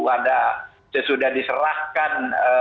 ada sesudah diserahkan